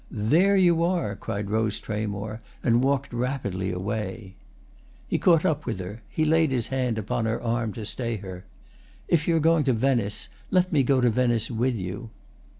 "There you are!" cried Rose Tramore, and walked rapidly away. He caught up with her, he laid his hand upon her arm to stay her. "If you're going to Venice, let me go to Venice with you!"